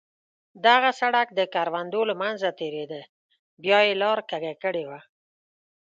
دغه سړک د کروندو له منځه تېرېده، بیا یې لاره کږه کړې وه.